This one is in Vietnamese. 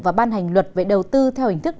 và ban hành luật về đầu tư theo hình thức